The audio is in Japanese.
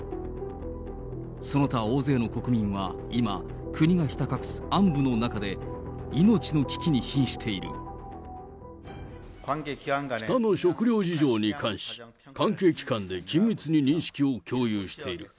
その他大勢の国民は今、国がひた隠す暗部の中で、北の食糧事情に関し、関係機関で緊密に認識を共有している。